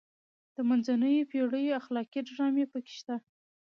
د منځنیو پیړیو اخلاقي ډرامې پکې شته.